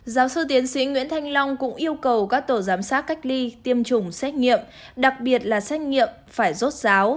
giáo sư tiến sĩ nguyễn thanh long cũng yêu cầu các tổ giám sát cách ly tiêm chủng xét nghiệm đặc biệt là xét nghiệm phải rốt ráo